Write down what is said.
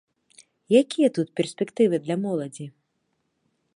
Якія тут перспектывы для моладзі?